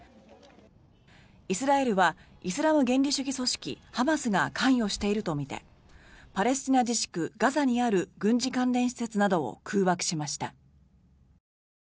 イスラエルはイスラム原理主義組織ハマスが関与しているとみてパレスチナ自治区ガザにある軍事関連施設などを空爆しました。